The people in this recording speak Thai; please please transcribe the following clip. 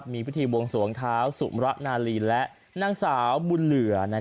มีพิธีบวงสวงเท้าสุมระนาลีและนางสาวบุญเหลือ